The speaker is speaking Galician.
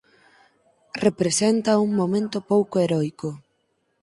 Representa un momento pouco heroico.